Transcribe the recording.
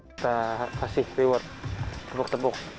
kita kasih reward tepuk tepuk